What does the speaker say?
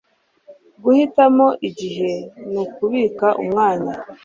Guhitamo igihe ni ukubika umwanya